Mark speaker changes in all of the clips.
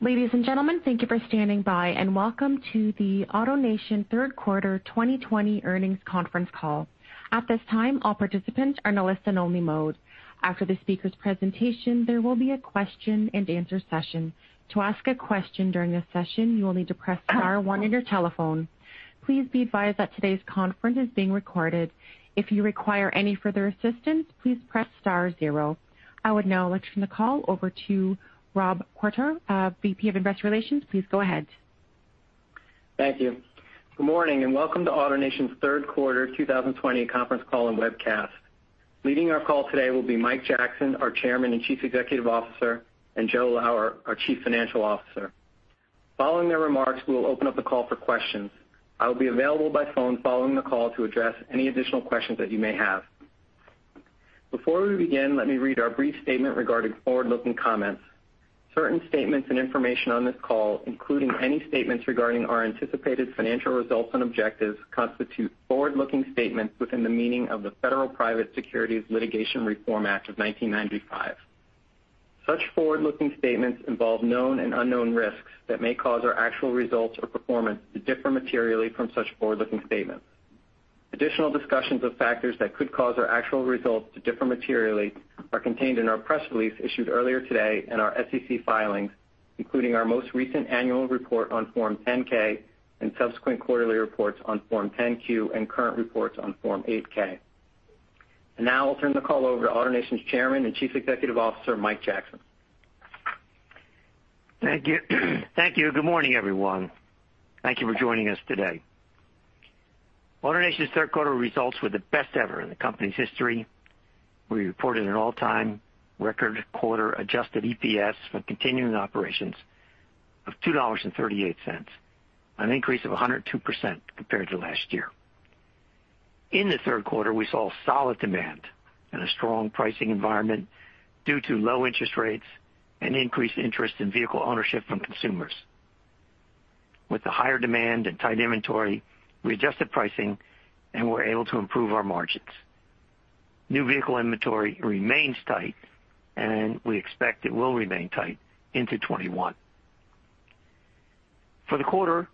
Speaker 1: Ladies and gentlemen, thank you for standing by, and welcome to the AutoNation Third Quarter 2020 Earnings Conference Call. At this time, all participants are in a listen-only mode. After the speaker's presentation, there will be a question-and-answer session. To ask a question during this session, you will need to press star one in your telephone. Please be advised that today's conference is being recorded. If you require any further assistance, please press star zero. I would now like to turn the call over to Rob Quartaro, VP of Investor Relations. Please go ahead.
Speaker 2: Thank you. Good morning, and welcome to AutoNation's Third Quarter 2020 Conference Call and Webcast. Leading our call today will be Mike Jackson, our Chairman and Chief Executive Officer, and Joe Lower, our Chief Financial Officer. Following their remarks, we will open up the call for questions. I will be available by phone following the call to address any additional questions that you may have. Before we begin, let me read our brief statement regarding forward-looking comments. Certain statements and information on this call, including any statements regarding our anticipated financial results and objectives, constitute forward-looking statements within the meaning of the Federal Private Securities Litigation Reform Act of 1995. Such forward-looking statements involve known and unknown risks that may cause our actual results or performance to differ materially from such forward-looking statements. Additional discussions of factors that could cause our actual results to differ materially are contained in our press release issued earlier today and our SEC filings, including our most recent annual report on Form 10-K and subsequent quarterly reports on Form 10-Q and current reports on Form 8-K. And now I'll turn the call over to AutoNation's Chairman and Chief Executive Officer, Mike Jackson.
Speaker 3: Thank you. Thank you. Good morning, everyone. Thank you for joining us today. AutoNation's third quarter results were the best ever in the company's history. We reported an all-time record quarter adjusted EPS for continuing operations of $2.38, an increase of 102% compared to last year. In the third quarter, we saw solid demand and a strong pricing environment due to low interest rates and increased interest in vehicle ownership from consumers. With the higher demand and tight inventory, we adjusted pricing and were able to improve our margins. New vehicle inventory remains tight, and we expect it will remain tight into 2021. For the quarter,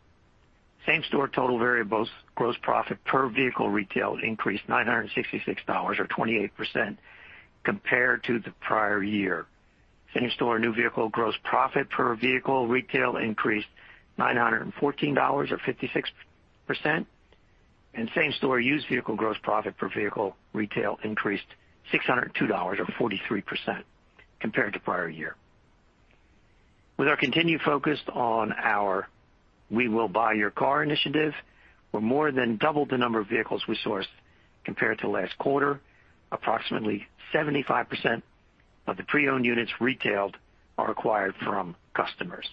Speaker 3: same-store total variables gross profit per vehicle retail increased $966.00, or 28%, compared to the prior year. Same-store new vehicle gross profit per vehicle retail increased $914.00, or 56%, and same-store used vehicle gross profit per vehicle retail increased $602.00, or 43%, compared to prior year. With our continued focus on our We'll Buy Your Car initiative, we're more than double the number of vehicles we sourced compared to last quarter. Approximately 75% of the pre-owned units retailed are acquired from customers.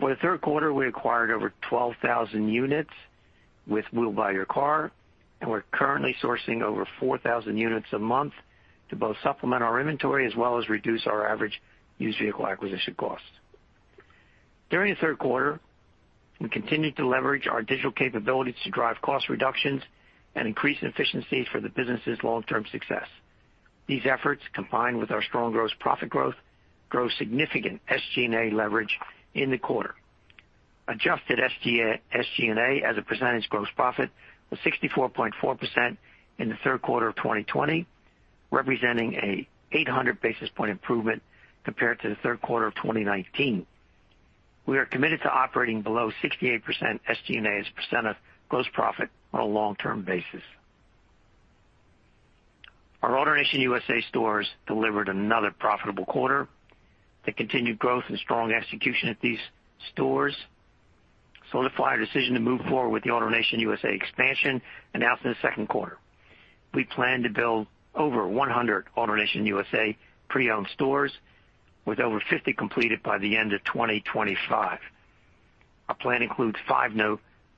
Speaker 3: For the third quarter, we acquired over 12,000 units with We'll Buy Your Car, and we're currently sourcing over 4,000 units a month to both supplement our inventory as well as reduce our average used vehicle acquisition cost. During the third quarter, we continued to leverage our digital capabilities to drive cost reductions and increase efficiencies for the business's long-term success. These efforts, combined with our strong gross profit growth, drove significant SG&A leverage in the quarter. Adjusted SG&A as a percentage gross profit was 64.4% in the third quarter of 2020, representing an 800 basis point improvement compared to the third quarter of 2019. We are committed to operating below 68% SG&A as a percent of gross profit on a long-term basis. Our AutoNation USA stores delivered another profitable quarter. The continued growth and strong execution at these stores solidify our decision to move forward with the AutoNation USA expansion announced in the second quarter. We plan to build over 100 AutoNation USA pre-owned stores, with over 50 completed by the end of 2025. Our plan includes five new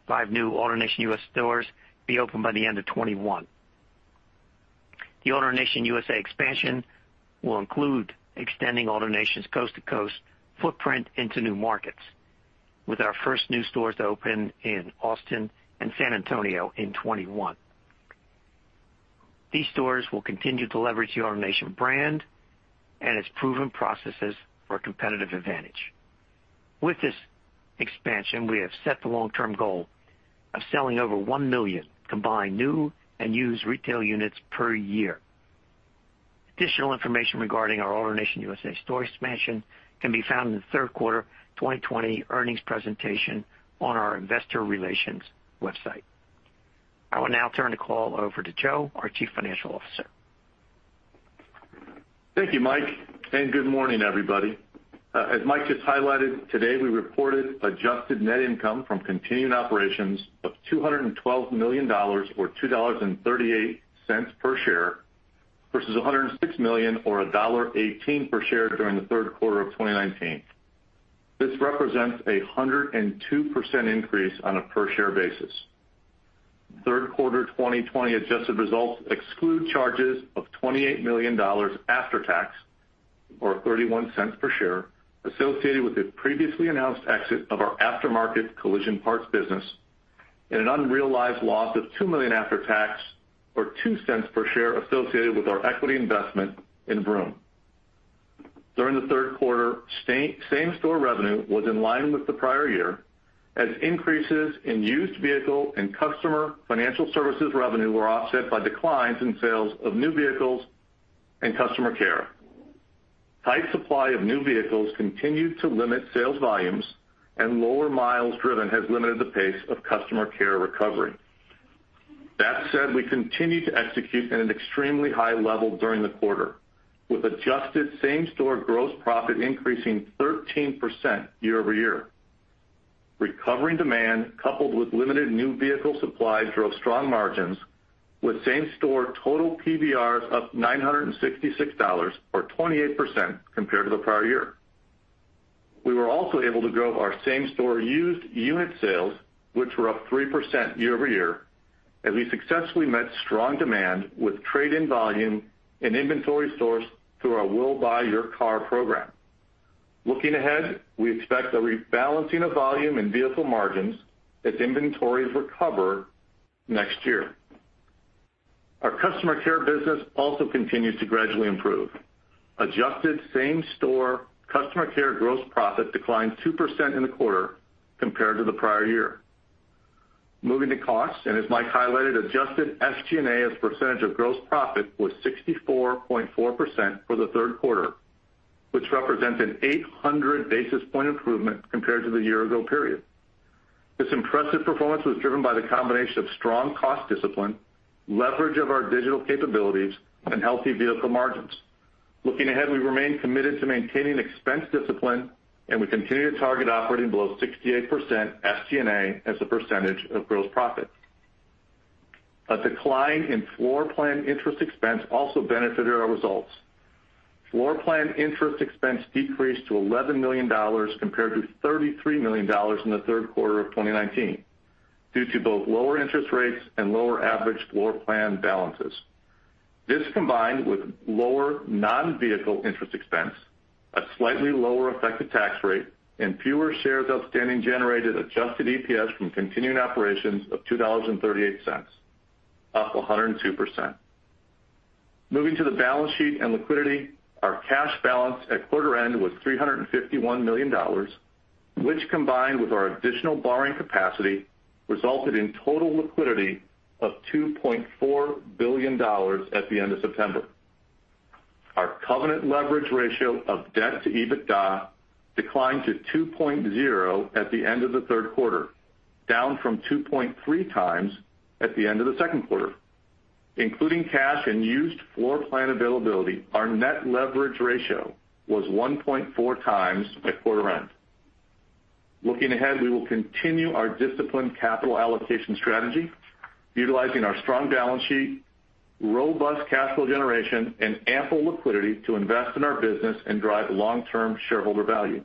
Speaker 3: AutoNation USA stores to be opened by the end of 2021. The AutoNation USA expansion will include extending AutoNation's coast-to-coast footprint into new markets, with our first new stores to open in Austin and San Antonio in 2021. These stores will continue to leverage the AutoNation brand and its proven processes for a competitive advantage. With this expansion, we have set the long-term goal of selling over 1 million combined new and used retail units per year. Additional information regarding our AutoNation USA store expansion can be found in the third quarter 2020 earnings presentation on our Investor Relations website. I will now turn the call over to Joe, our Chief Financial Officer.
Speaker 4: Thank you, Mike, and good morning, everybody. As Mike just highlighted, today we reported adjusted net income from continuing operations of $212 million, or $2.38 per share, versus $106 million, or $1.18 per share during the third quarter of 2019. This represents a 102% increase on a per-share basis. Third quarter 2020 adjusted results exclude charges of $28 million after-tax, or $0.31 per share, associated with the previously announced exit of our Aftermarket Collision Parts business and an unrealized loss of $2 million after-tax, or $0.02 per share, associated with our equity investment in Vroom. During the third quarter, same-store revenue was in line with the prior year, as increases in used vehicle and Customer Financial Services revenue were offset by declines in sales of new vehicles and Customer Care. Tight supply of new vehicles continued to limit sales volumes, and lower miles driven has limited the pace of Customer Care recovery. That said, we continued to execute at an extremely high level during the quarter, with adjusted same-store gross profit increasing 13% year-over-year. Recovering demand, coupled with limited new vehicle supply, drove strong margins, with same-store total PVRs up $966.00, or 28%, compared to the prior year. We were also able to grow our same-store used unit sales, which were up 3% year-over-year, as we successfully met strong demand with trade-in volume and inventory stores through our We'll Buy Your Car program. Looking ahead, we expect a rebalancing of volume and vehicle margins as inventories recover next year. Our customer care business also continues to gradually improve. Adjusted same-store customer care gross profit declined 2% in the quarter compared to the prior year. Moving to costs, and as Mike highlighted, adjusted SG&A as a percentage of gross profit was 64.4% for the third quarter, which represents an 800 basis point improvement compared to the year-ago period. This impressive performance was driven by the combination of strong cost discipline, leverage of our digital capabilities, and healthy vehicle margins. Looking ahead, we remain committed to maintaining expense discipline, and we continue to target operating below 68% SG&A as a percentage of gross profit. A decline in floor plan interest expense also benefited our results. Floor plan interest expense decreased to $11 million compared to $33 million in the third quarter of 2019, due to both lower interest rates and lower average floor plan balances. This combined with lower non-vehicle interest expense, a slightly lower effective tax rate, and fewer shares outstanding generated adjusted EPS from continuing operations of $2.38, up 102%. Moving to the balance sheet and liquidity, our cash balance at quarter end was $351 million, which combined with our additional borrowing capacity resulted in total liquidity of $2.4 billion at the end of September. Our covenant leverage ratio of debt to EBITDA declined to 2.0 at the end of the third quarter, down from 2.3 times at the end of the second quarter. Including cash and used floor plan availability, our net leverage ratio was 1.4 times at quarter end. Looking ahead, we will continue our disciplined capital allocation strategy, utilizing our strong balance sheet, robust cash flow generation, and ample liquidity to invest in our business and drive long-term shareholder value.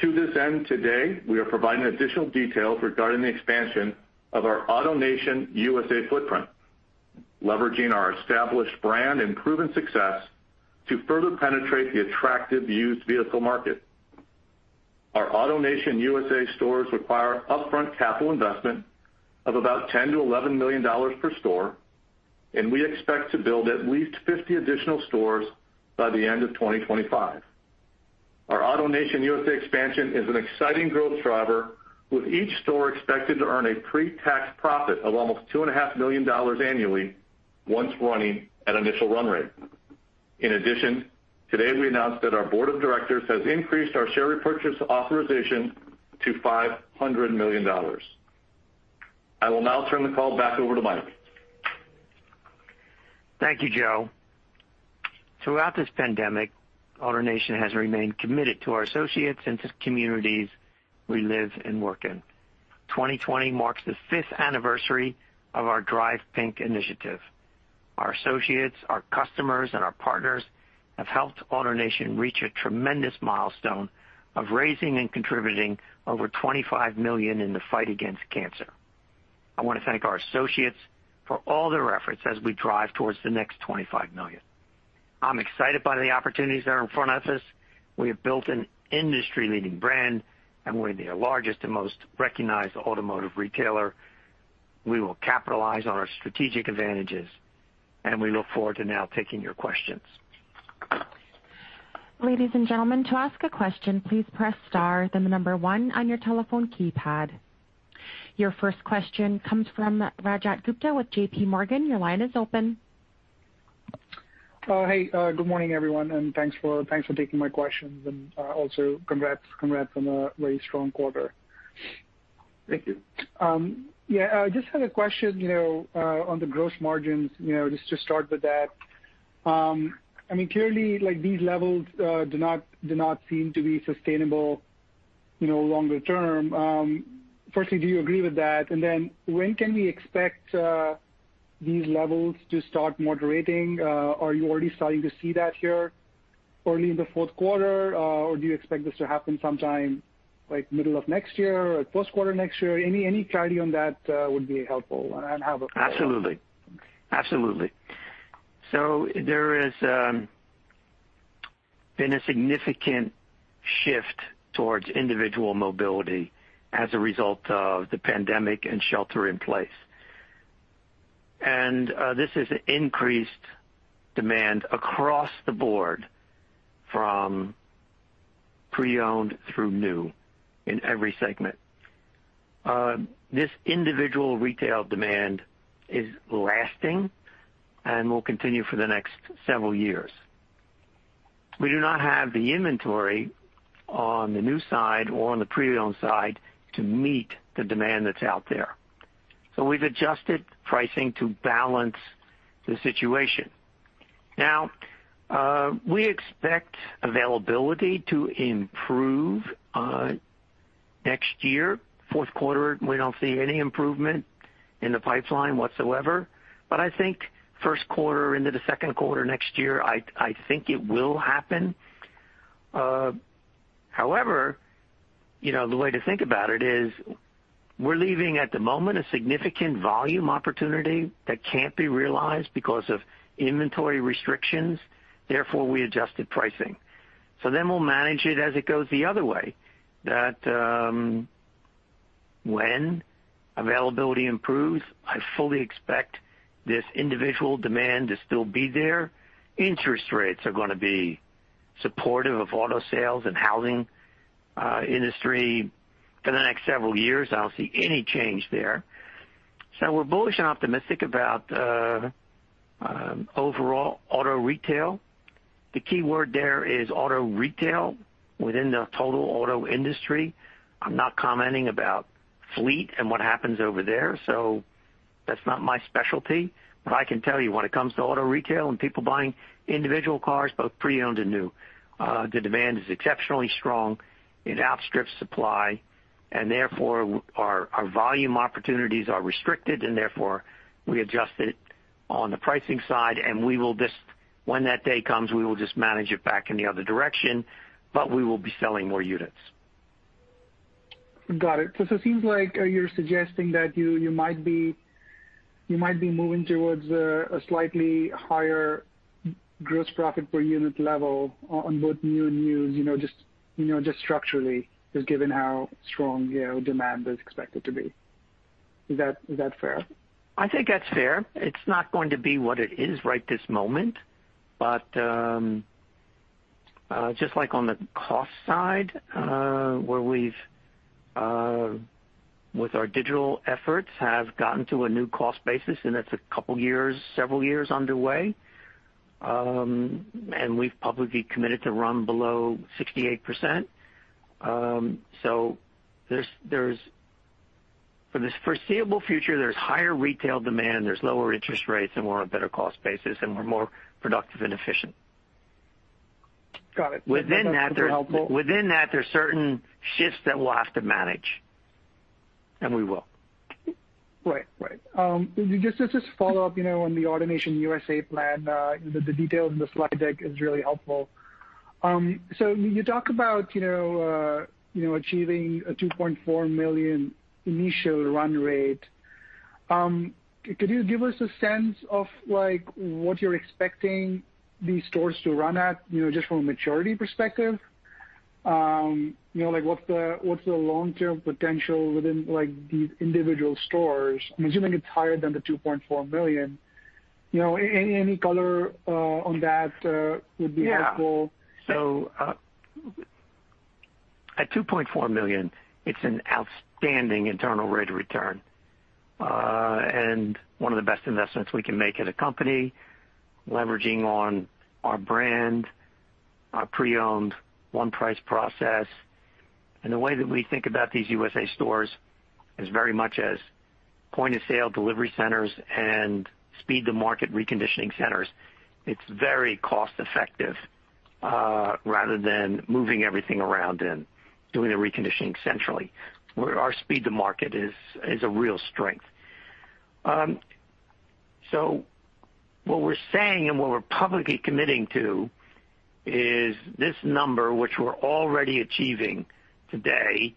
Speaker 4: To this end, today, we are providing additional details regarding the expansion of our AutoNation USA footprint, leveraging our established brand and proven success to further penetrate the attractive used vehicle market. Our AutoNation USA stores require upfront capital investment of about $10 million-$11 million per store, and we expect to build at least 50 additional stores by the end of 2025. Our AutoNation USA expansion is an exciting growth driver, with each store expected to earn a pre-tax profit of almost $2.5 million annually once running at initial run rate. In addition, today we announced that our board of directors has increased our share repurchase authorization to $500 million. I will now turn the call back over to Mike.
Speaker 3: Thank you, Joe. Throughout this pandemic, AutoNation has remained committed to our associates and to the communities we live and work in. 2020 marks the fifth anniversary of our Drive Pink initiative. Our associates, our customers, and our partners have helped AutoNation reach a tremendous milestone of raising and contributing over $25 million in the fight against cancer. I want to thank our associates for all their efforts as we drive towards the next $25 million. I'm excited by the opportunities that are in front of us. We have built an industry-leading brand, and we're the largest and most recognized automotive retailer. We will capitalize on our strategic advantages, and we look forward to now taking your questions.
Speaker 1: Ladies and gentlemen, to ask a question, please press star, then the number one on your telephone keypad. Your first question comes from Rajat Gupta with JPMorgan. Your line is open.
Speaker 5: Hey, good morning, everyone, and thanks for taking my questions and also, congrats on a very strong quarter.
Speaker 3: Thank you.
Speaker 5: Yeah, I just had a question on the gross margins, just to start with that. I mean, clearly, these levels do not seem to be sustainable longer term. Firstly, do you agree with that? And then, when can we expect these levels to start moderating? Are you already starting to see that here early in the fourth quarter, or do you expect this to happen sometime middle of next year or post-quarter next year? Any clarity on that would be helpful.
Speaker 3: Absolutely. Absolutely. So there has been a significant shift towards individual mobility as a result of the pandemic and shelter in place. And this is an increased demand across the board, from pre-owned through new, in every segment. This individual retail demand is lasting and will continue for the next several years. We do not have the inventory on the new side or on the pre-owned side to meet the demand that's out there. So we've adjusted pricing to balance the situation. Now, we expect availability to improve next year. Fourth quarter, we don't see any improvement in the pipeline whatsoever. But I think first quarter into the second quarter next year, I think it will happen. However, the way to think about it is we're leaving at the moment a significant volume opportunity that can't be realized because of inventory restrictions. Therefore, we adjusted pricing. So then we'll manage it as it goes the other way. That, when availability improves, I fully expect this individual demand to still be there. Interest rates are going to be supportive of auto sales and housing industry for the next several years. I don't see any change there, so we're bullish and optimistic about overall auto retail. The key word there is auto retail within the total auto industry. I'm not commenting about fleet and what happens over there, so that's not my specialty, but I can tell you, when it comes to auto retail and people buying individual cars, both pre-owned and new, the demand is exceptionally strong. It outstrips supply, and therefore, our volume opportunities are restricted, and therefore, we adjusted on the pricing side. When that day comes, we will just manage it back in the other direction, but we will be selling more units.
Speaker 5: Got it. So it seems like you're suggesting that you might be moving towards a slightly higher gross profit per unit level on both new and used, just structurally, just given how strong demand is expected to be. Is that fair?
Speaker 3: I think that's fair. It's not going to be what it is right this moment. But just like on the cost side, where we've, with our digital efforts, have gotten to a new cost basis, and that's a couple of years, several years underway. And we've publicly committed to run below 68%. So for the foreseeable future, there's higher retail demand, there's lower interest rates, and we're on a better cost basis, and we're more productive and efficient.
Speaker 5: Got it.
Speaker 3: Within that, there's certain shifts that we'll have to manage, and we will.
Speaker 5: Right. Right. Just to follow up on the AutoNation USA plan, the details in the slide deck are really helpful. So you talk about achieving a $2.4 million initial run rate. Could you give us a sense of what you're expecting these stores to run at, just from a maturity perspective? What's the long-term potential within these individual stores? I'm assuming it's higher than the $2.4 million. Any color on that would be helpful.
Speaker 3: Yeah. So at $2.4 million, it's an outstanding internal rate of return. And one of the best investments we can make as a company, leveraging on our brand, our pre-owned one-price process. And the way that we think about these USA stores is very much as point-of-sale delivery centers and speed-to-market reconditioning centers. It's very cost-effective rather than moving everything around and doing the reconditioning centrally. Our speed-to-market is a real strength. So what we're saying and what we're publicly committing to is this number, which we're already achieving today,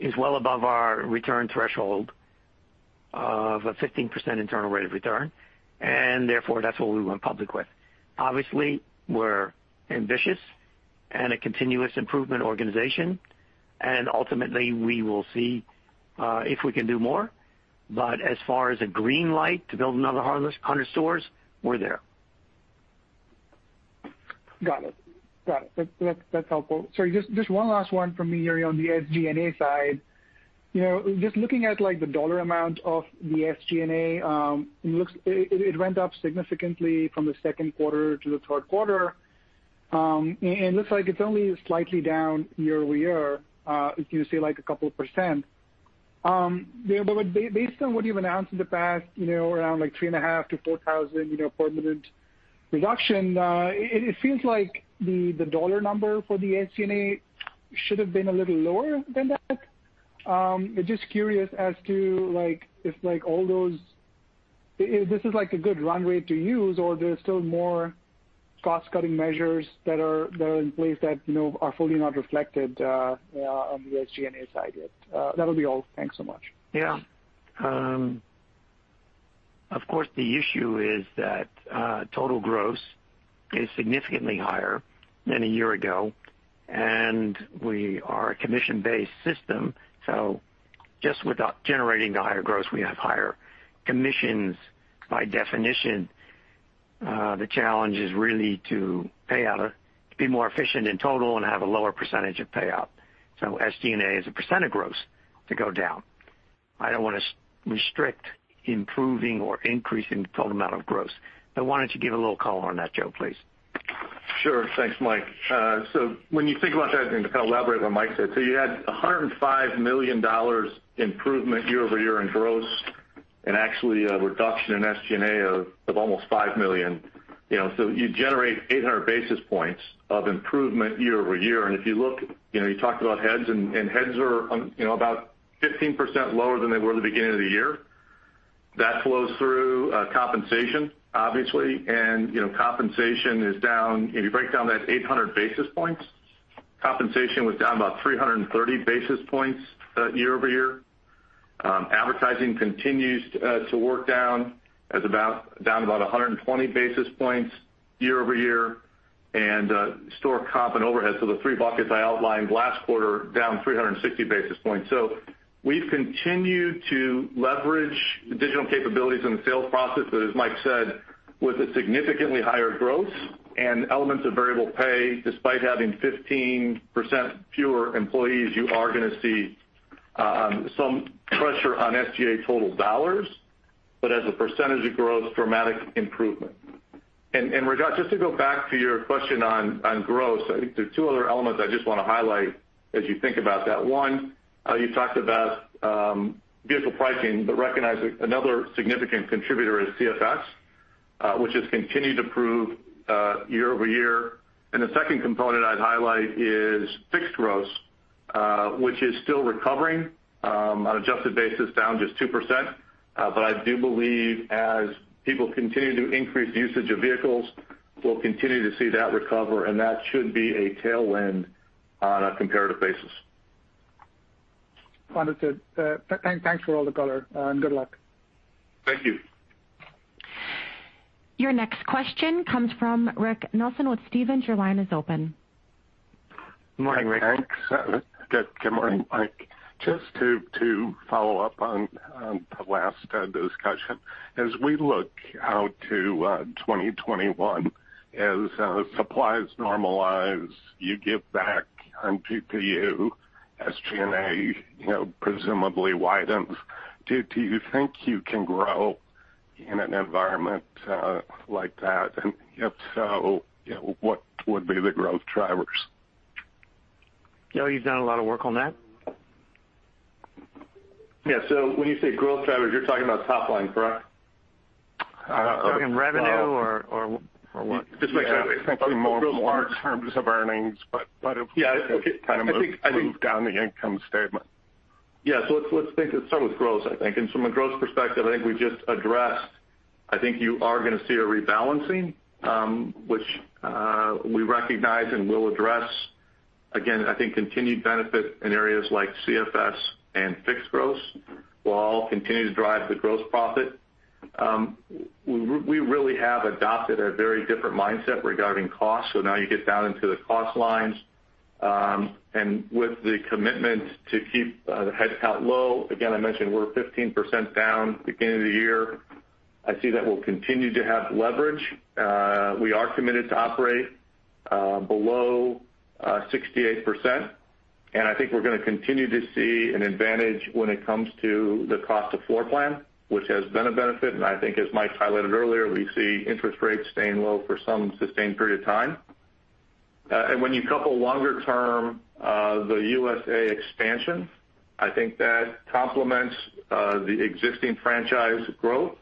Speaker 3: is well above our return threshold of a 15% internal rate of return. And therefore, that's what we went public with. Obviously, we're ambitious and a continuous improvement organization. And ultimately, we will see if we can do more. But as far as a green light to build another 100 stores, we're there.
Speaker 5: Got it. Got it. That's helpful. Sorry, just one last one from me here on the SG&A side. Just looking at the dollar amount of the SG&A, it went up significantly from the second quarter to the third quarter. And it looks like it's only slightly down year-over-year, as you say, like a couple of percent. But based on what you've announced in the past, around 3,500-4,000 permanent reduction, it feels like the dollar number for the SG&A should have been a little lower than that. I'm just curious as to if all those this is a good run rate to use, or there's still more cost-cutting measures that are in place that are fully not reflected on the SG&A side yet. That'll be all. Thanks so much.
Speaker 3: Yeah. Of course, the issue is that total gross is significantly higher than a year ago. And we are a commission-based system. So just without generating the higher gross, we have higher commissions. By definition, the challenge is really to pay out, to be more efficient in total, and have a lower percentage of payout. So SG&A is a percent of gross to go down. I don't want to restrict improving or increasing the total amount of gross. Maybe you wanted to give a little color on that, Joe, please.
Speaker 4: Sure. Thanks, Mike. So when you think about that and kind of elaborate on Mike's side, so you had $105 million improvement year-over-year in gross and actually a reduction in SG&A of almost $5 million. So you generate 800 basis points of improvement year-over-year. And if you look, you talked about heads, and heads are about 15% lower than they were at the beginning of the year. That flows through compensation, obviously. And compensation is down if you break down that 800 basis points, compensation was down about 330 basis points year-over-year. Advertising continues to work down, down about 120 basis points year-over-year. And store comp and overhead, so the three buckets I outlined last quarter, down 360 basis points. So we've continued to leverage digital capabilities and the sales process, but as Mike said, with a significantly higher gross and elements of variable pay, despite having 15% fewer employees, you are going to see some pressure on SG&A total dollars. But as a percentage of gross, dramatic improvement. And Rajat, just to go back to your question on gross, I think there are two other elements I just want to highlight as you think about that. One, you talked about vehicle pricing, but recognize another significant contributor is CFS, which has continued to improve year-over-year. And the second component I'd highlight is fixed gross, which is still recovering on an adjusted basis, down just 2%. But I do believe as people continue to increase usage of vehicles, we'll continue to see that recover. And that should be a tailwind on a comparative basis.
Speaker 5: Understood. Thanks for all the color. And good luck.
Speaker 3: Thank you.
Speaker 1: Your next question comes from Rick Nelson with Stephens. Your line is open.
Speaker 3: Good morning, Rick.
Speaker 6: Thanks. Good morning, Mike. Just to follow up on the last discussion, as we look out to 2021, as supplies normalize, you give back on GPU. SG&A presumably widens. Do you think you can grow in an environment like that, and if so, what would be the growth drivers?
Speaker 3: Joe, you've done a lot of work on that.
Speaker 4: Yeah. So when you say growth drivers, you're talking about top line, correct?
Speaker 3: Talking revenue or what?
Speaker 6: In terms of earnings. But yeah, it kind of moves down the income statement.
Speaker 4: Yeah, so let's start with gross, I think, and from a gross perspective, I think we just addressed. I think you are going to see a rebalancing, which we recognize and will address. Again, I think continued benefit in areas like CFS and fixed gross will all continue to drive the gross profit. We really have adopted a very different mindset regarding costs, so now you get down into the cost lines, and with the commitment to keep the headcount low. Again, I mentioned we're 15% down at the beginning of the year. I see that we'll continue to have leverage. We are committed to operate below 68%, and I think we're going to continue to see an advantage when it comes to the cost of floor plan, which has been a benefit. I think, as Mike highlighted earlier, we see interest rates staying low for some sustained period of time. When you couple longer term, the USA expansion, I think that complements the existing franchise growth.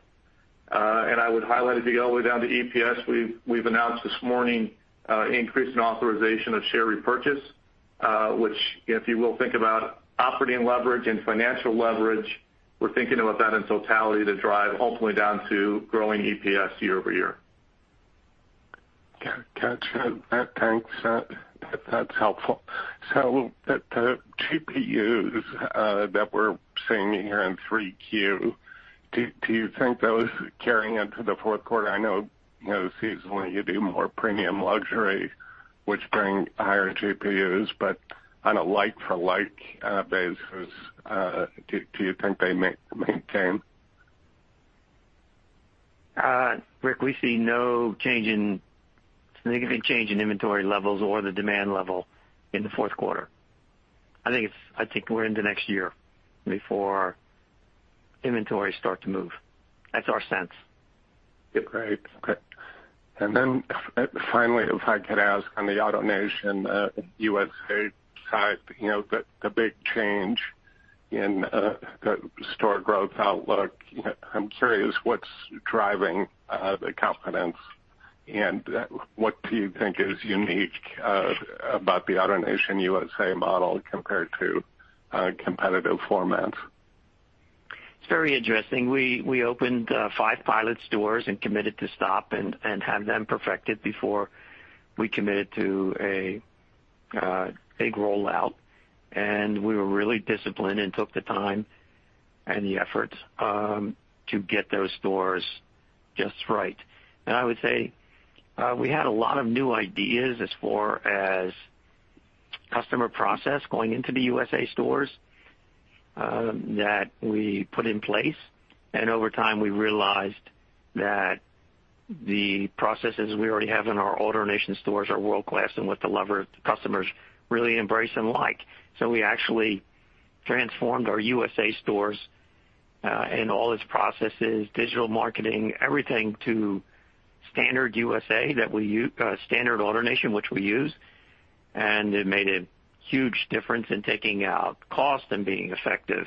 Speaker 4: I would highlight if you go all the way down to EPS, we've announced this morning an increase in authorization of share repurchase, which, if you will think about operating leverage and financial leverage, we're thinking about that in totality to drive ultimately down to growing EPS year-over-year.
Speaker 6: Gotcha. Thanks. That's helpful. So the GPUs that we're seeing here in 3Q, do you think those carry into the fourth quarter? I know seasonally you do more premium luxury, which brings higher GPUs. But on a like-for-like basis, do you think they maintain?
Speaker 3: Rick, we see no significant change in inventory levels or the demand level in the fourth quarter. I think we're into next year before inventory starts to move. That's our sense.
Speaker 6: Yep. Right. Okay. And then finally, if I could ask on the AutoNation USA side, the big change in the store growth outlook, I'm curious what's driving the confidence. And what do you think is unique about the AutoNation USA model compared to competitive formats?
Speaker 3: It's very interesting. We opened five pilot stores and committed to stop and have them perfected before we committed to a big rollout, and we were really disciplined and took the time and the effort to get those stores just right, and I would say we had a lot of new ideas as far as customer process going into the USA stores that we put in place, and over time, we realized that the processes we already have in our AutoNation stores are world-class and what the customers really embrace and like, so we actually transformed our USA stores and all its processes, digital marketing, everything to the standard AutoNation that we use, and it made a huge difference in taking out cost and being effective.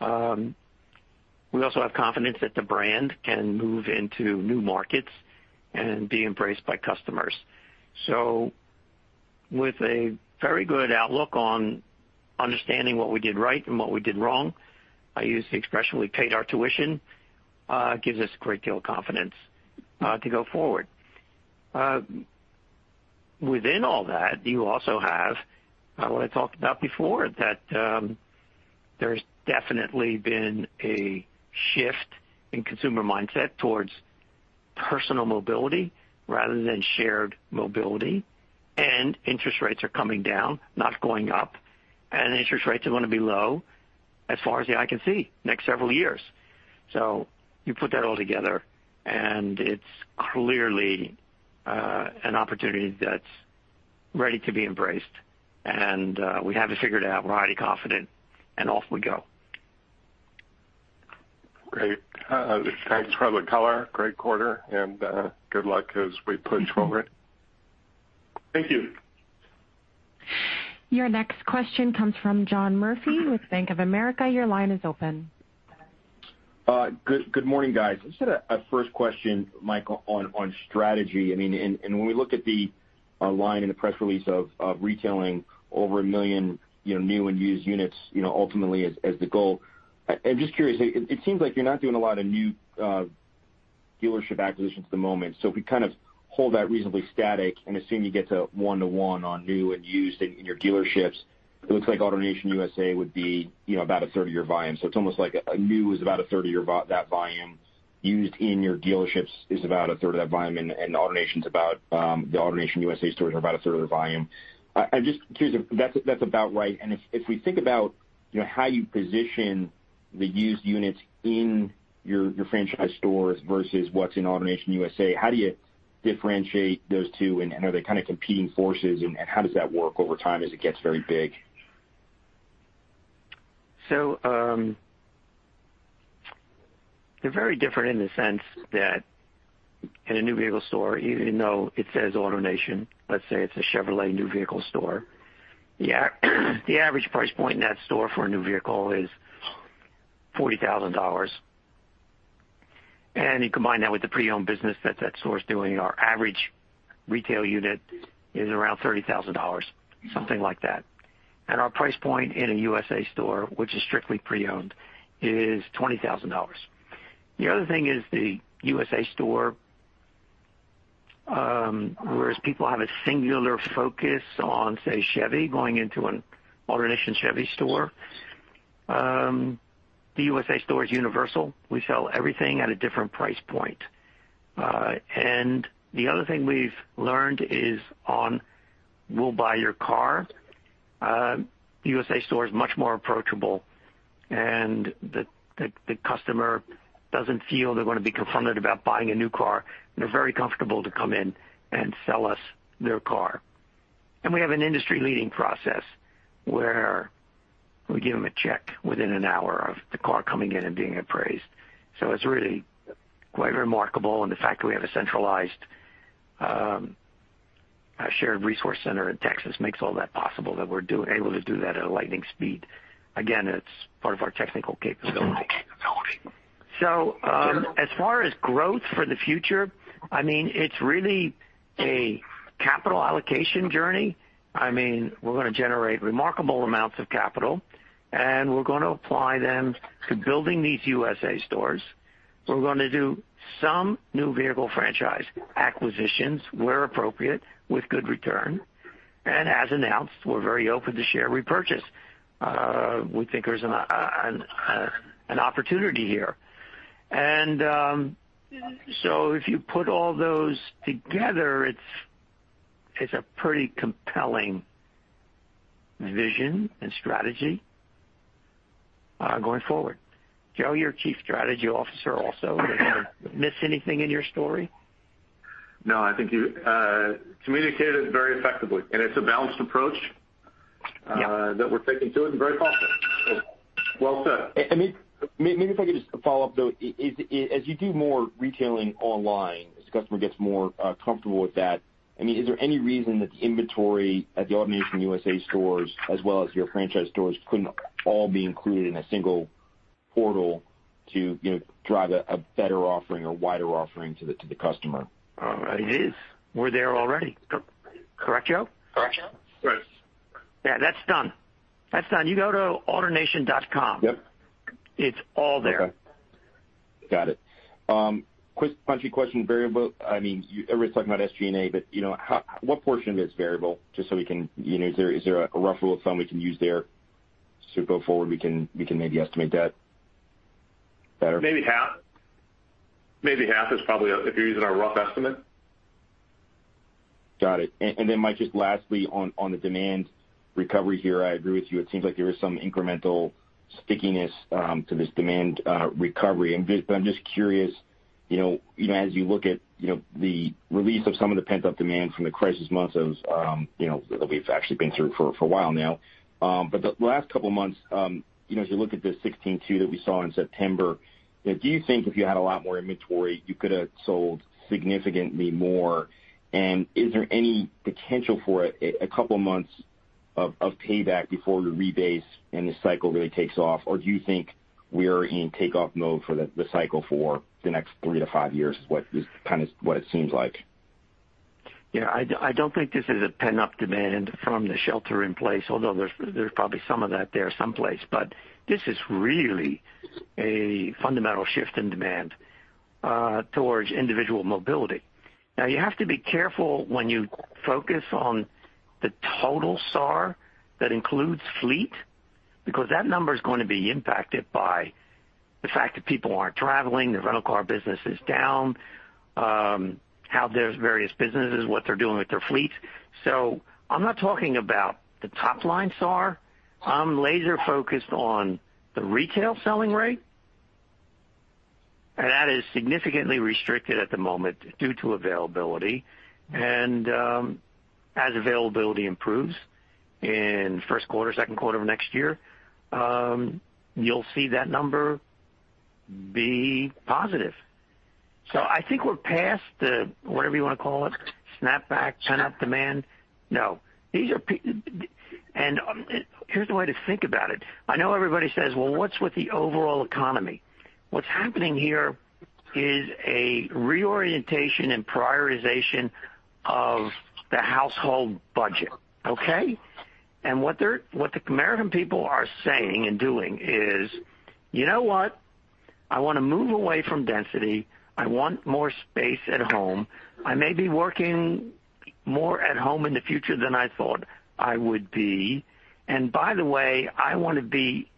Speaker 3: We also have confidence that the brand can move into new markets and be embraced by customers. So, with a very good outlook on understanding what we did right and what we did wrong, I use the expression we paid our tuition, gives us a great deal of confidence to go forward. Within all that, you also have what I talked about before, that there's definitely been a shift in consumer mindset towards personal mobility rather than shared mobility. And interest rates are coming down, not going up. And interest rates are going to be low as far as the eye can see, next several years. So you put that all together, and it's clearly an opportunity that's ready to be embraced. And we have it figured out, we're highly confident, and off we go.
Speaker 6: Great. Thanks for the color. Great quarter. And good luck as we push forward.
Speaker 3: Thank you.
Speaker 1: Your next question comes from John Murphy with Bank of America. Your line is open.
Speaker 7: Good morning, guys. I just had a first question, Mike, on strategy. I mean, and when we look at the line in the press release of retailing over a million new and used units ultimately as the goal, I'm just curious. It seems like you're not doing a lot of new dealership acquisitions at the moment. So if we kind of hold that reasonably static and assume you get to one-to-one on new and used in your dealerships, it looks like AutoNation USA would be about a third of your volume. So it's almost like new is about a third of that volume. Used in your dealerships is about 1/3 of that volume. And AutoNation USA stores are about a 1/3 of their volume. I'm just curious if that's about right. And if we think about how you position the used units in your franchise stores versus what's in AutoNation USA, how do you differentiate those two? And are they kind of competing forces? And how does that work over time as it gets very big?
Speaker 3: So they're very different in the sense that in a new vehicle store, even though it says AutoNation, let's say it's a Chevrolet new vehicle store, yeah, the average price point in that store for a new vehicle is $40,000. And you combine that with the pre-owned business that that store is doing, our average retail unit is around $30,000, something like that. And our price point in a USA store, which is strictly pre-owned, is $20,000. The other thing is the USA store, whereas people have a singular focus on, say, Chevy going into an AutoNation Chevy store, the USA store is universal. We sell everything at a different price point. And the other thing we've learned is on We'll Buy Your Car, the USA store is much more approachable. And the customer doesn't feel they're going to be confronted about buying a new car. They're very comfortable to come in and sell us their car, and we have an industry-leading process where we give them a check within an hour of the car coming in and being appraised, so it's really quite remarkable, and the fact that we have a centralized shared resource center in Texas makes all that possible, that we're able to do that at a lightning speed. Again, it's part of our technical capability. So as far as growth for the future, I mean, it's really a capital allocation journey. I mean, we're going to generate remarkable amounts of capital. And we're going to apply them to building these USA stores. We're going to do some new vehicle franchise acquisitions where appropriate with good return. And as announced, we're very open to share repurchase. We think there's an opportunity here. And so if you put all those together, it's a pretty compelling vision and strategy going forward. Joe, you're Chief Strategy Officer also. Did I miss anything in your story?
Speaker 4: No, I think you communicated very effectively, and it's a balanced approach that we're taking to it and very positive. Well said.
Speaker 7: I mean, maybe if I could just follow up, though, as you do more retailing online, as the customer gets more comfortable with that, I mean, is there any reason that the inventory at the AutoNation USA stores as well as your franchise stores couldn't all be included in a single portal to drive a better offering or wider offering to the customer?
Speaker 3: It is. We're there already. Correct, Joe?
Speaker 4: Correct.
Speaker 3: Yeah, that's done. That's done. You go to AutoNation.com.
Speaker 7: Yep.
Speaker 3: It's all there.
Speaker 7: Got it. Quick, punchy question. I mean, you're always talking about SG&A, but what portion of it is variable? Just so we can, is there a rough rule of thumb we can use there to go forward? We can maybe estimate that better.
Speaker 4: Maybe half. Maybe half is probably if you're using our rough estimate.
Speaker 7: Got it. And then, Mike, just lastly, on the demand recovery here, I agree with you. It seems like there is some incremental stickiness to this demand recovery. But I'm just curious, as you look at the release of some of the pent-up demand from the crisis months that we've actually been through for a while now. But the last couple of months, as you look at the 16-2 that we saw in September, do you think if you had a lot more inventory, you could have sold significantly more? And is there any potential for a couple of months of payback before your rebase and the cycle really takes off? Or do you think we're in takeoff mode for the cycle for the next three to five years is kind of what it seems like?
Speaker 3: Yeah. I don't think this is a pent-up demand from the shelter-in-place, although there's probably some of that there someplace. But this is really a fundamental shift in demand towards individual mobility. Now, you have to be careful when you focus on the total SAAR that includes fleet because that number is going to be impacted by the fact that people aren't traveling, the rental car business is down, how there's various businesses, what they're doing with their fleets. So I'm not talking about the top line SAAR. I'm laser-focused on the retail selling rate. And that is significantly restricted at the moment due to availability. And as availability improves in first quarter, second quarter of next year, you'll see that number be positive. So I think we're past the, whatever you want to call it, snapback, pent-up demand. No. And here's the way to think about it. I know everybody says, well, what's with the overall economy? What's happening here is a reorientation and prioritization of the household budget. Okay? And what the American people are saying and doing is, you know what? I want to move away from density. I want more space at home. I may be working more at home in the future than I thought I would be. And by the way, I want to be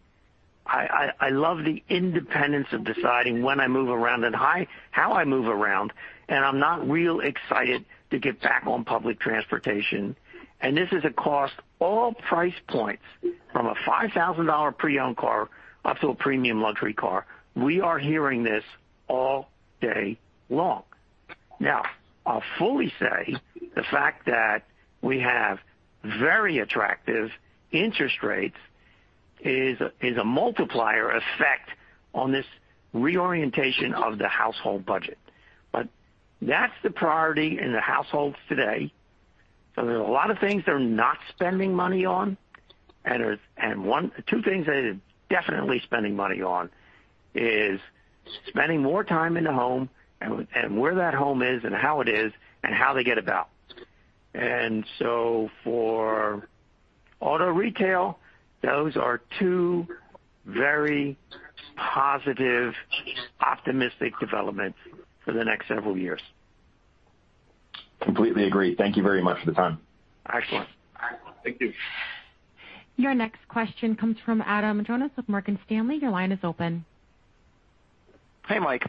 Speaker 3: I love the independence of deciding when I move around and how I move around. And I'm not real excited to get back on public transportation. And this is across all price points from a $5,000 pre-owned car up to a premium luxury car. We are hearing this all day long. Now, I'll fully say the fact that we have very attractive interest rates is a multiplier effect on this reorientation of the household budget. But that's the priority in the households today. So there's a lot of things they're not spending money on. And two things they're definitely spending money on is spending more time in the home and where that home is and how it is and how they get about. And so for auto retail, those are two very positive, optimistic developments for the next several years.
Speaker 7: Completely agree. Thank you very much for the time.
Speaker 3: Excellent. Thank you.
Speaker 1: Your next question comes from Adam Jonas of Morgan Stanley. Your line is open.
Speaker 8: Hey, Mike.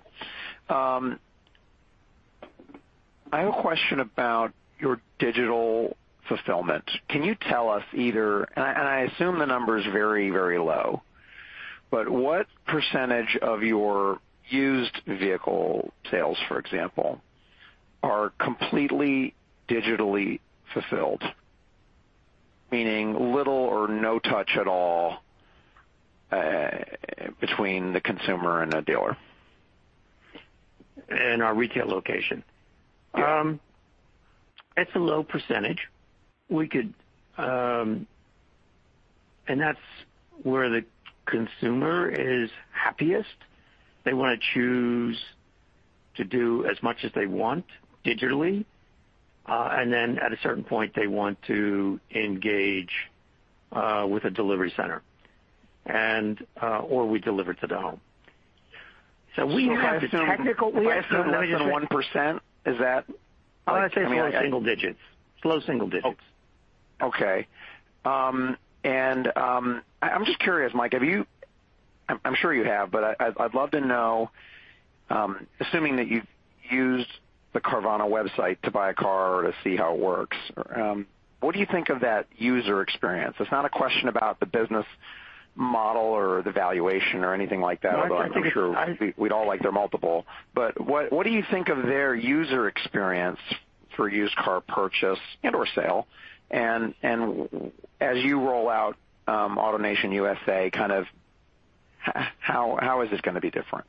Speaker 8: I have a question about your digital fulfillment. Can you tell us either, and I assume the number is very, very low, but what percentage of your used vehicle sales, for example, are completely digitally-fulfilled? Meaning little or no touch at all between the consumer and a dealer in a retail location.
Speaker 3: It's a low percentage, and that's where the consumer is happiest. They want to choose to do as much as they want digitally, and then at a certain point, they want to engage with a delivery center or we deliver to the home, so we have some.
Speaker 7: Is it less than 1%? Is that?
Speaker 3: Low-single digits.
Speaker 7: Okay. And I'm just curious, Mike. I'm sure you have, but I'd love to know, assuming that you've used the Carvana website to buy a car or to see how it works, what do you think of that user experience? It's not a question about the business model or the valuation or anything like that. We'd all like their multiple. But what do you think of their user experience for used car purchase and/or sale? And as you roll out AutoNation USA, kind of how is this going to be different?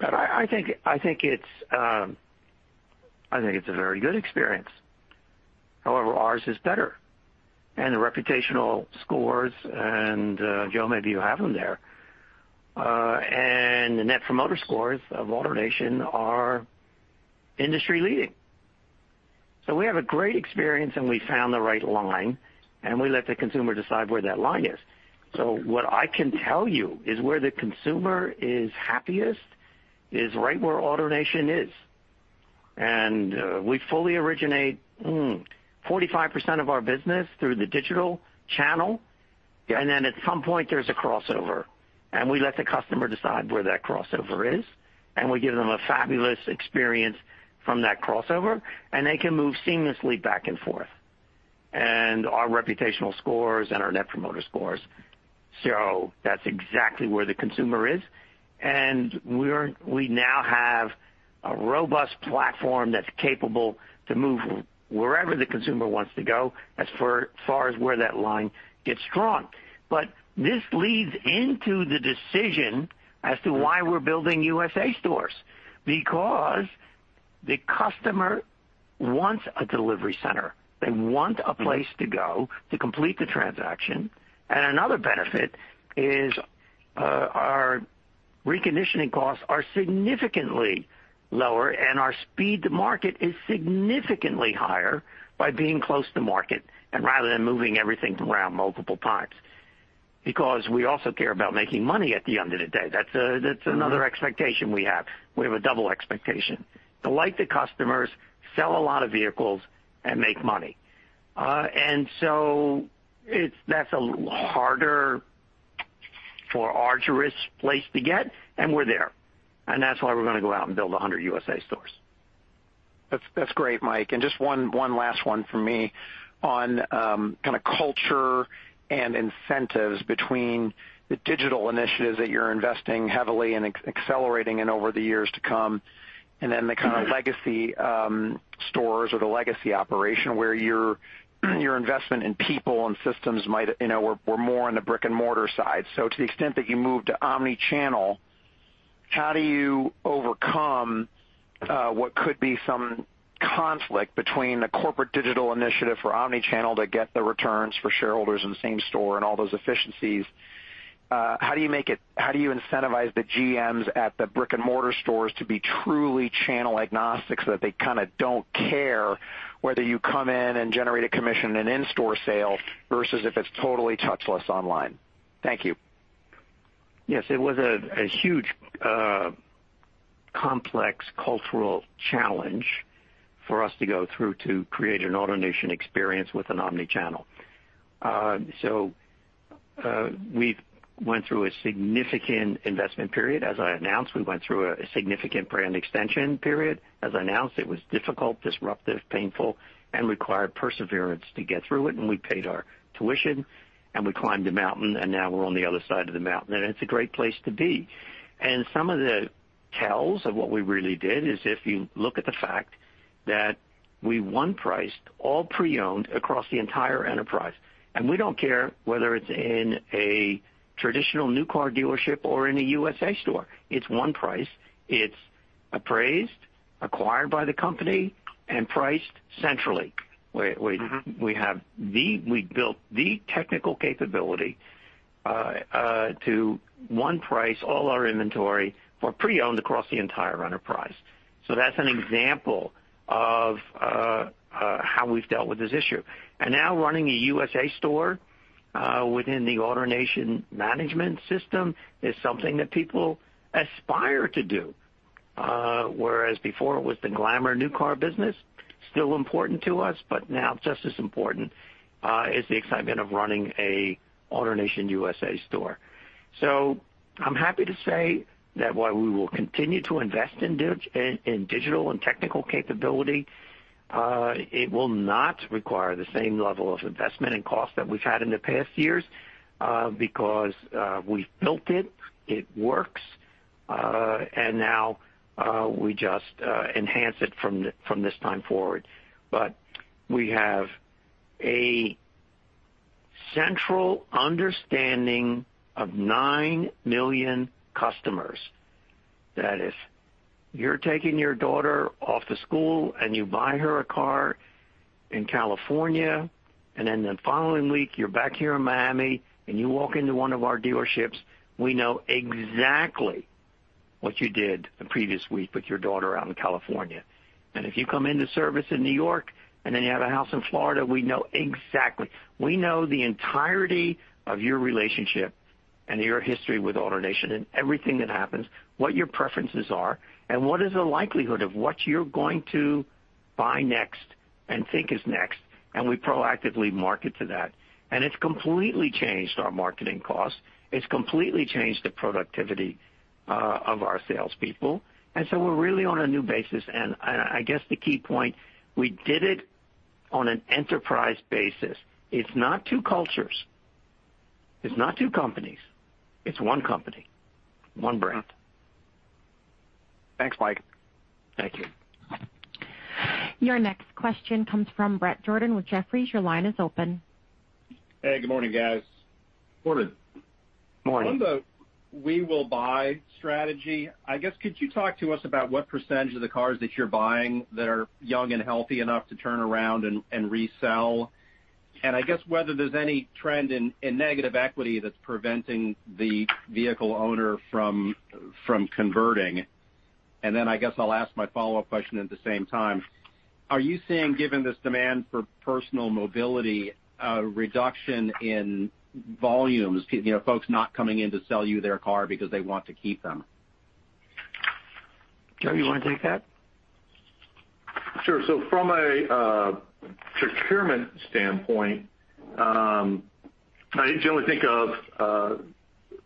Speaker 3: I think it's a very good experience. However, ours is better. And the reputational scores and Joe, maybe you have them there, and the Net Promoter Scores of AutoNation are industry-leading. So we have a great experience, and we found the right line. And we let the consumer decide where that line is. So what I can tell you is where the consumer is happiest is right where AutoNation is. And we fully originate 45% of our business through the digital channel. And then at some point, there's a crossover. And we let the customer decide where that crossover is. And we give them a fabulous experience from that crossover. And they can move seamlessly back and forth. And our reputational scores and our net promoter scores, so that's exactly where the consumer is. We now have a robust platform that's capable to move wherever the consumer wants to go as far as where that line gets drawn. But this leads into the decision as to why we're building USA stores because the customer wants a delivery center. They want a place to go to complete the transaction. And another benefit is our reconditioning costs are significantly lower. And our speed to market is significantly higher by being close to market and rather than moving everything around multiple times because we also care about making money at the end of the day. That's another expectation we have. We have a double expectation. We like the customers, sell a lot of vehicles, and make money. And so that's a higher bar for us to reach. And we're there. And that's why we're going to go out and build 100 USA stores.
Speaker 8: That's great, Mike. And just one last one from me on kind of culture and incentives between the digital initiatives that you're investing heavily in accelerating in over the years to come and then the kind of legacy stores or the legacy operation where your investment in people and systems might we're more on the brick-and-mortar side. So to the extent that you move to omnichannel, how do you overcome what could be some conflict between the corporate digital initiative for omnichannel to get the returns for shareholders in the same store and all those efficiencies? How do you make it? How do you incentivize the GMs at the brick-and-mortar stores to be truly channel agnostic so that they kind of don't care whether you come in and generate a commission in in-store sale versus if it's totally touchless online? Thank you.
Speaker 3: Yes. It was a huge complex cultural challenge for us to go through to create an AutoNation experience with an omnichannel. So we went through a significant investment period. As I announced, we went through a significant brand extension period. As I announced, it was difficult, disruptive, painful, and required perseverance to get through it. And we paid our tuition. And we climbed the mountain. And now we're on the other side of the mountain. And it's a great place to be. And some of the tells of what we really did is if you look at the fact that we one-priced all pre-owned across the entire enterprise. And we don't care whether it's in a traditional new car dealership or in a USA store. It's one price. It's appraised, acquired by the company, and priced centrally. We built the technical capability to one-price all our inventory for pre-owned across the entire enterprise. So that's an example of how we've dealt with this issue. And now running the USA store within the AutoNation management system is something that people aspire to do. Whereas before it was the glamour new car business, still important to us, but now just as important is the excitement of running an AutoNation USA store. So I'm happy to say that while we will continue to invest in digital and technical capability, it will not require the same level of investment and cost that we've had in the past years because we've built it. It works. And now we just enhance it from this time forward. But we have a central understanding of 9 million customers. That is, you're taking your daughter off to school, and you buy her a car in California. And then the following week, you're back here in Miami, and you walk into one of our dealerships. We know exactly what you did the previous week with your daughter out in California. And if you come into service in New York and then you have a house in Florida, we know exactly. We know the entirety of your relationship and your history with AutoNation and everything that happens, what your preferences are, and what is the likelihood of what you're going to buy next and think is next. And we proactively market to that. And it's completely changed our marketing costs. It's completely changed the productivity of our salespeople. And so we're really on a new basis. And I guess the key point, we did it on an enterprise basis. It's not two cultures. It's not two companies. It's one company, one brand.
Speaker 8: Thanks, Mike.
Speaker 3: Thank you.
Speaker 1: Your next question comes from Bret Jordan with Jefferies. Your line is open.
Speaker 9: Hey, good morning, guys.
Speaker 3: Morning.
Speaker 9: On the We Will Buy strategy, I guess, could you talk to us about what percentage of the cars that you're buying that are young and healthy enough to turn around and resell? And I guess whether there's any trend in negative equity that's preventing the vehicle owner from converting. And then I guess I'll ask my follow-up question at the same time. Are you seeing, given this demand for personal mobility, a reduction in volumes, folks not coming in to sell you their car because they want to keep them?
Speaker 3: Joe, you want to take that?
Speaker 4: Sure. So from a procurement standpoint, I generally think of,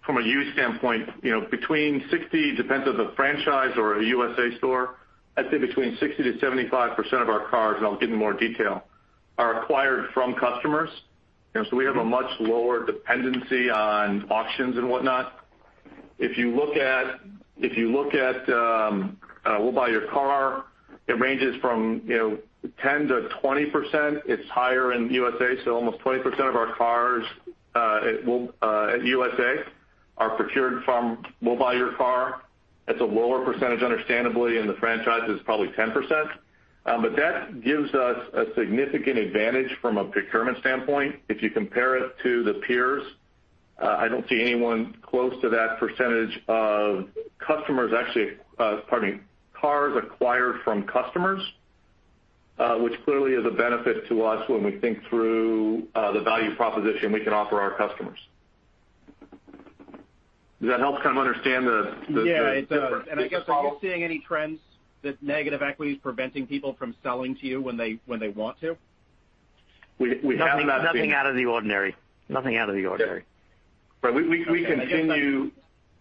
Speaker 4: from a used standpoint, between 60%, depends on the franchise or a USA store, I'd say between 60%-75% of our cars, and I'll get into more detail, are acquired from customers. So we have a much lower dependency on auctions and whatnot. If you look at we'll buy your car, it ranges from 10%-20%. It's higher in the USA. So almost 20% of our cars at USA are procured from We'll Buy Your Car. That's a lower percentage, understandably, in the franchises, probably 10%. But that gives us a significant advantage from a procurement standpoint. If you compare it to the peers, I don't see anyone close to that percentage of customers, actually pardon me, cars acquired from customers, which clearly is a benefit to us when we think through the value proposition we can offer our customers. Does that help kind of understand the difference?
Speaker 9: Yeah. And I guess are you seeing any trends that negative equity is preventing people from selling to you when they want to?
Speaker 4: We haven't gotten anything.
Speaker 3: Nothing out of the ordinary. Nothing out of the ordinary.
Speaker 4: Right. We continue,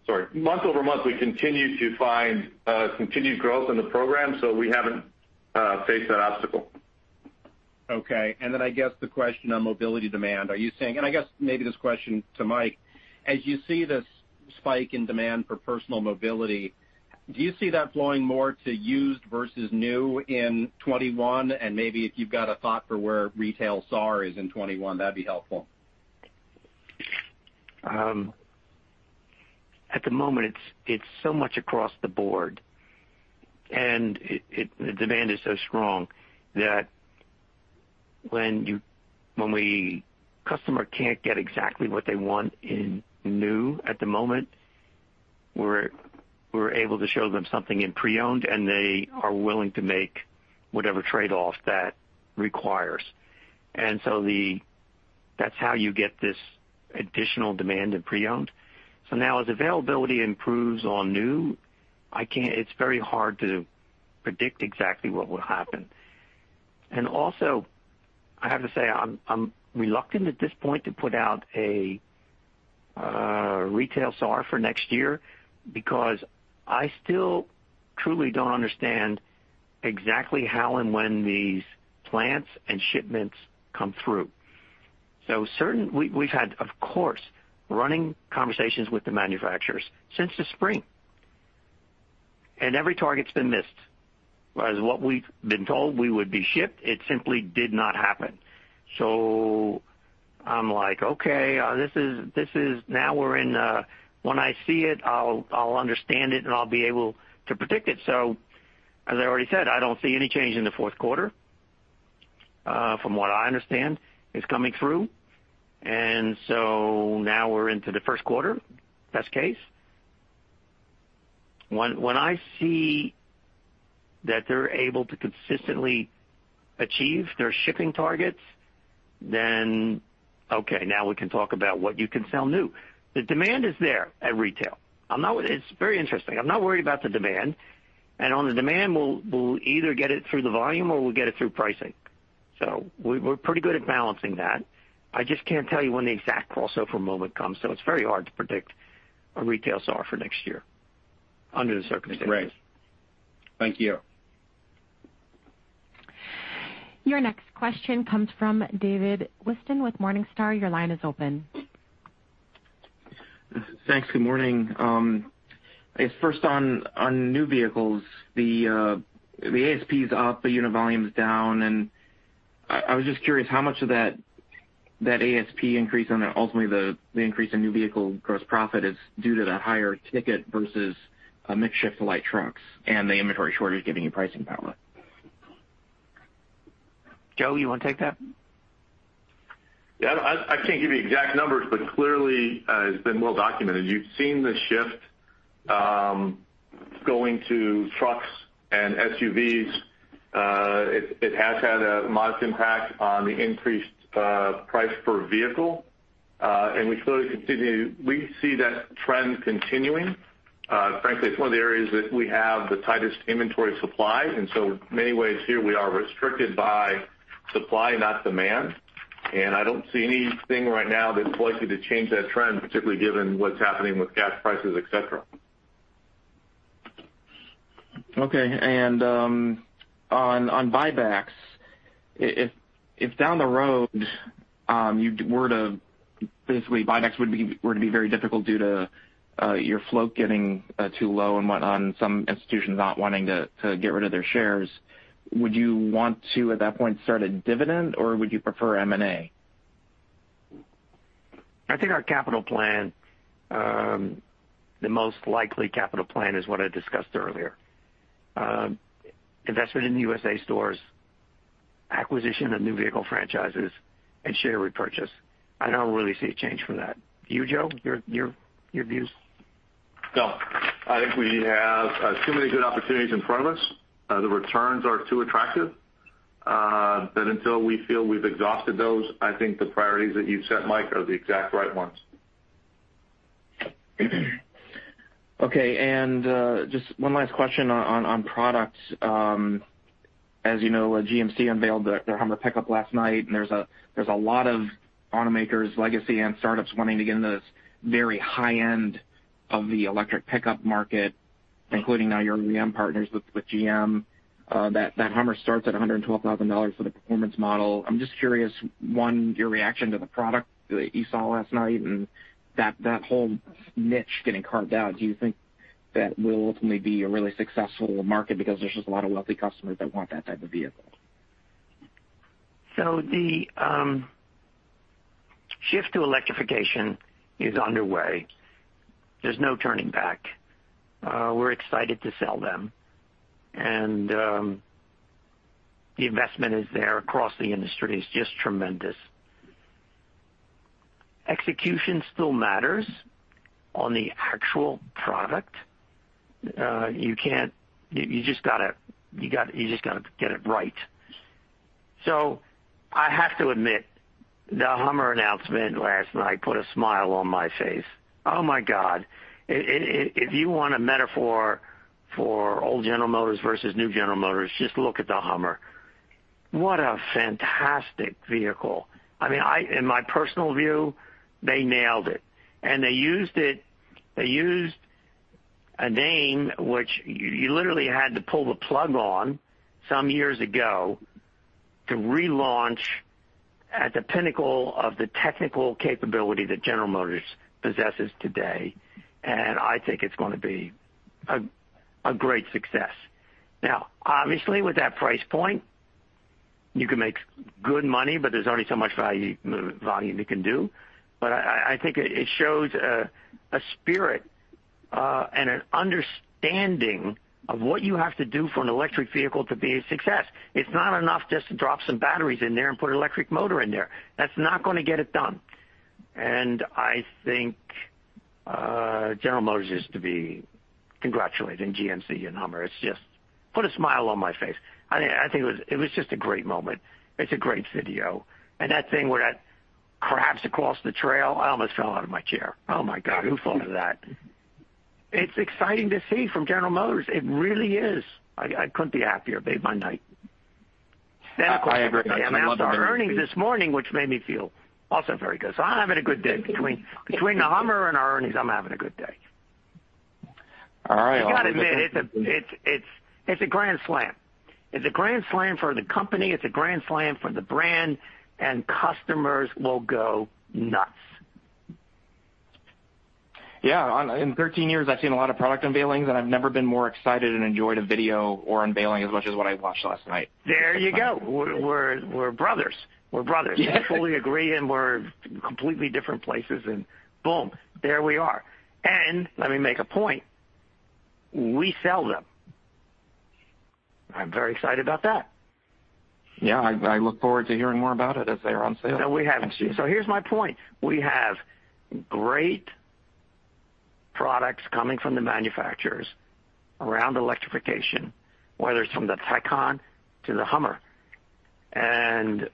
Speaker 4: sorry, month-over-month, we continue to find continued growth in the program. So we haven't faced that obstacle.
Speaker 9: Okay. And then I guess the question on mobility demand, are you seeing and I guess maybe this question to Mike, as you see this spike in demand for personal mobility, do you see that flowing more to used versus new in 2021? And maybe if you've got a thought for where retail SAAR is in 2021, that'd be helpful.
Speaker 3: At the moment, it's so much across the board. And the demand is so strong that when a customer can't get exactly what they want in new at the moment, we're able to show them something in pre-owned, and they are willing to make whatever trade-off that requires. And so that's how you get this additional demand in pre-owned. So now as availability improves on new, it's very hard to predict exactly what will happen. And also, I have to say I'm reluctant at this point to put out a retail SAAR for next year because I still truly don't understand exactly how and when these plants and shipments come through. So we've had, of course, running conversations with the manufacturers since the spring. And every target's been missed. Whereas what we've been told we would be shipped, it simply did not happen. So I'm like, okay, now we're in when I see it, I'll understand it, and I'll be able to predict it. So as I already said, I don't see any change in the fourth quarter from what I understand is coming through. And so now we're into the first quarter, best case. When I see that they're able to consistently achieve their shipping targets, then okay, now we can talk about what you can sell new. The demand is there at retail. It's very interesting. I'm not worried about the demand. And on the demand, we'll either get it through the volume or we'll get it through pricing. So we're pretty good at balancing that. I just can't tell you when the exact crossover moment comes. So it's very hard to predict a retail SAAR for next year under the circumstances.
Speaker 9: Right. Thank you.
Speaker 1: Your next question comes from David Whiston with Morningstar. Your line is open.
Speaker 10: Thanks. Good morning. I guess first on new vehicles, the ASP's up, but unit volume's down, and I was just curious how much of that ASP increase and ultimately the increase in new vehicle gross profit is due to the higher ticket versus a mixed shift to light trucks and the inventory shortage giving you pricing power?
Speaker 3: Joe, you want to take that?
Speaker 4: Yeah. I can't give you exact numbers, but clearly it's been well-documented. You've seen the shift going to trucks and SUVs. It has had a modest impact on the increased price per vehicle, and we see that trend continuing. Frankly, it's one of the areas that we have the tightest inventory supply, and so in many ways here, we are restricted by supply, not demand, and I don't see anything right now that's likely to change that trend, particularly given what's happening with gas prices, etc.
Speaker 10: Okay. And on buybacks, if down the road buybacks were to be very difficult due to your float getting too low and whatnot and some institutions not wanting to get rid of their shares, would you want to at that point start a dividend or would you prefer M&A?
Speaker 3: I think our capital plan, the most likely capital plan is what I discussed earlier. Investment in USA stores, acquisition of new vehicle franchises, and share repurchase. I don't really see a change for that. You, Joe? Your views?
Speaker 4: No. I think we have too many good opportunities in front of us. The returns are too attractive. But until we feel we've exhausted those, I think the priorities that you've set, Mike, are the exact right ones.
Speaker 10: Okay. And just one last question on products. As you know, GMC unveiled their Hummer pickup last night. And there's a lot of automakers, legacy, and startups wanting to get into this very high-end of the electric pickup market, including now your OEM partners with GM. That Hummer starts at $112,000 for the performance model. I'm just curious, one, your reaction to the product that you saw last night and that whole niche getting carved out. Do you think that will ultimately be a really successful market because there's just a lot of wealthy customers that want that type of vehicle?
Speaker 3: So the shift to electrification is underway. There's no turning back. We're excited to sell them. And the investment is there across the industry. It's just tremendous. Execution still matters on the actual product. You just got to get it right. So I have to admit, the Hummer announcement last night put a smile on my face. Oh my God. If you want a metaphor for old General Motors versus new General Motors, just look at the Hummer. What a fantastic vehicle. I mean, in my personal view, they nailed it. And they used a name which you literally had to pull the plug on some years ago to relaunch at the pinnacle of the technical capability that General Motors possesses today. And I think it's going to be a great success. Now, obviously, with that price point, you can make good money, but there's only so much volume you can do. But I think it shows a spirit and an understanding of what you have to do for an electric vehicle to be a success. It's not enough just to drop some batteries in there and put an electric motor in there. That's not going to get it done. And I think General Motors is to be congratulating GMC and Hummer. It's just put a smile on my face. I think it was just a great moment. It's a great video. And that thing where that crabs across the trail, I almost fell out of my chair. Oh my God, who thought of that? It's exciting to see from General Motors. It really is. I couldn't be happier. It made my night. Then of course, I announced our earnings this morning, which made me feel also very good. So I'm having a good day between the Hummer and our earnings. I'm having a good day.
Speaker 10: All right.
Speaker 3: I got to admit, it's a grand slam. It's a grand slam for the company. It's a grand slam for the brand, and customers will go nuts.
Speaker 10: Yeah. In 13 years, I've seen a lot of product unveilings, and I've never been more excited and enjoyed a video or unveiling as much as what I watched last night.
Speaker 3: There you go. We're brothers. We're brothers. We fully agree, and we're completely different places, and boom, there we are, and let me make a point. We sell them. I'm very excited about that.
Speaker 10: Yeah. I look forward to hearing more about it as they're on sale.
Speaker 3: So here's my point. We have great products coming from the manufacturers around electrification, whether it's from the Taycan to the Hummer and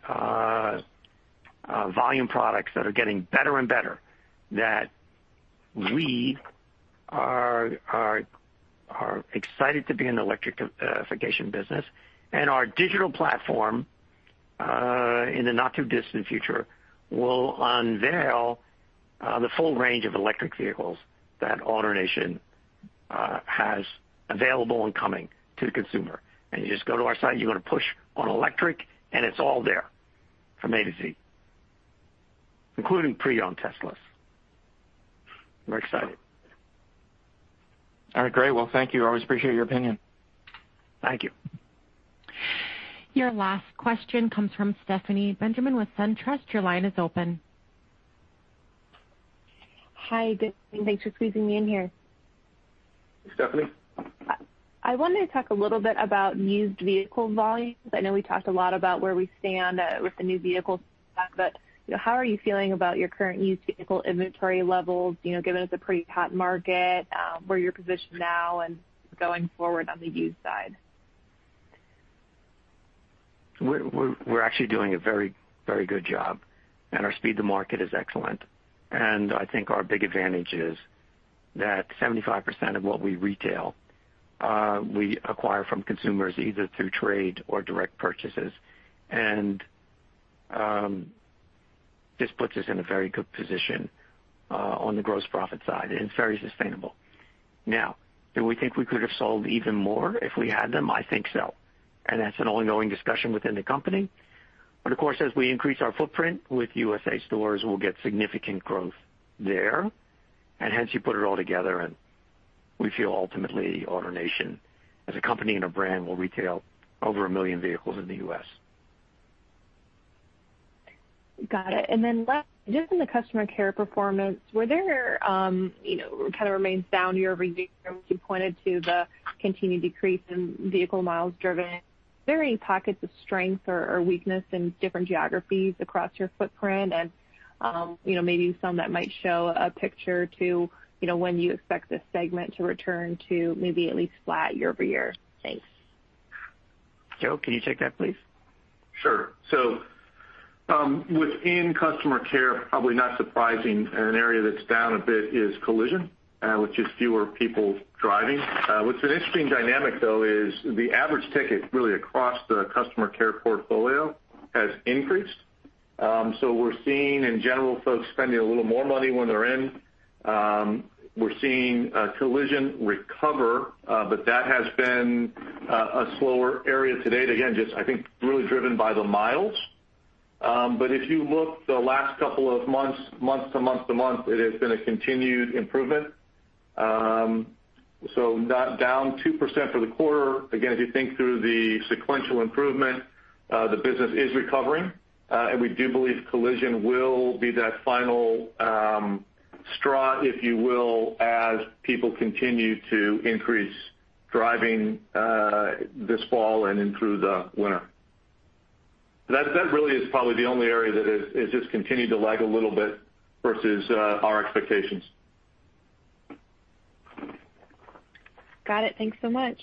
Speaker 3: volume products that are getting better and better that we are excited to be in the electrification business. And our digital platform in the not-too-distant future will unveil the full range of electric vehicles that AutoNation has available and coming to the consumer. And you just go to our site, you're going to push on electric, and it's all there from A to Z, including pre-owned Teslas. We're excited.
Speaker 9: All right. Great. Well, thank you. I always appreciate your opinion.
Speaker 3: Thank you.
Speaker 1: Your last question comes from Stephanie Benjamin with SunTrust. Your line is open.
Speaker 11: Hi, good. Thanks for squeezing me in here.
Speaker 3: Stephanie?
Speaker 11: I wanted to talk a little bit about used vehicle volumes. I know we talked a lot about where we stand with the new vehicle stock, but how are you feeling about your current used vehicle inventory levels, given it's a pretty hot market? Where you're positioned now and going forward on the used side?
Speaker 3: We're actually doing a very, very good job. And our speed to market is excellent. And I think our big advantage is that 75% of what we retail, we acquire from consumers either through trade or direct purchases. And this puts us in a very good position on the gross profit side. And it's very sustainable. Now, do we think we could have sold even more if we had them? I think so. And that's an ongoing discussion within the company. But of course, as we increase our footprint with USA stores, we'll get significant growth there. And hence, you put it all together, and we feel ultimately AutoNation as a company and a brand will retail over a million vehicles in the U.S.
Speaker 11: Got it. And then just in the customer care performance, where there kind of remains down year-over-year, which you pointed to the continued decrease in vehicle miles driven. Are there any pockets of strength or weakness in different geographies across your footprint? And maybe some that might show a picture to when you expect this segment to return to maybe at least flat year-over-year? Thanks.
Speaker 3: Joe, can you take that, please?
Speaker 4: Sure. So within customer care, probably not surprising, an area that's down a bit is Collision, which is fewer people driving. What's an interesting dynamic, though, is the average ticket really across the customer care portfolio has increased, so we're seeing in general folks spending a little more money when they're in. We're seeing Collision recover, but that has been a slower area today. Again, just I think really driven by the miles, but if you look the last couple of months, month to month to month, it has been a continued improvement, so down 2% for the quarter. Again, if you think through the sequential improvement, the business is recovering, and we do believe Collision will be that final straw, if you will, as people continue to increase driving this fall and through the winter. That really is probably the only area that has just continued to lag a little bit versus our expectations.
Speaker 11: Got it. Thanks so much.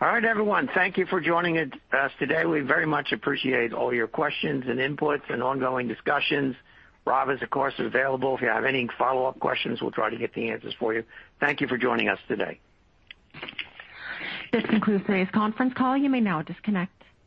Speaker 3: All right, everyone. Thank you for joining us today. We very much appreciate all your questions and inputs and ongoing discussions. Rob is, of course, available. If you have any follow-up questions, we'll try to get the answers for you. Thank you for joining us today.
Speaker 1: This concludes today's conference call. You may now disconnect.